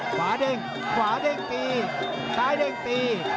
ขวาเด้งขวาเด้งตีซ้ายเด้งตี